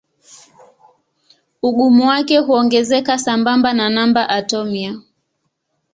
Ugumu wake huongezeka sambamba na namba atomia.